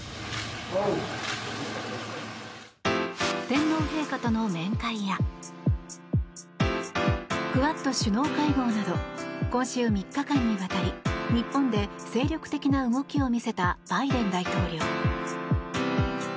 天皇陛下との面会やクアッド首脳会合など今週３日間にわたり日本で精力的な動きを見せたバイデン大統領。